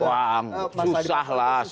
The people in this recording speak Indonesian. susah lah susah